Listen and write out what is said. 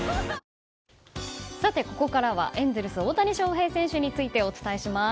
ここからはエンゼルス大谷翔平選手についてお伝えします。